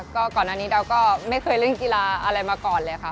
ก็ก่อนอันนี้เราก็ไม่เคยเล่นกีฬาอะไรมาก่อนเลยค่ะ